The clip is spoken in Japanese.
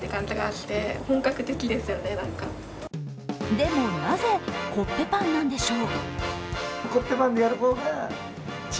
でも、なぜコッペパンなんでしょう？